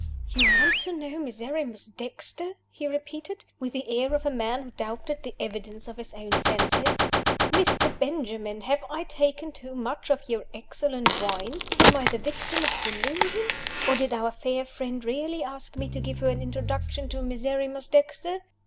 "You want to know Miserrimus Dexter?" he repeated, with the air of a man who doubted the evidence of his own senses. "Mr. Benjamin, have I taken too much of your excellent wine? Am I the victim of a delusion or did our fair friend really ask me to give her an introduction to Miserrimus Dexter?"